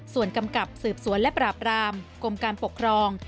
ส่วนกำกับสืบสวนและปราบรามกรมการปกครอง